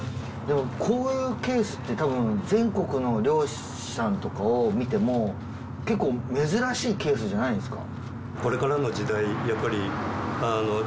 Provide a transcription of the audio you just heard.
こういうケースってたぶん全国の漁師さんとかを見ても結構珍しいケースじゃないんですか？